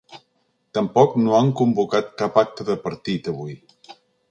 Tampoc no han convocat cap acte de partit avui.